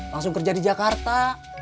langsung kerja di jakarta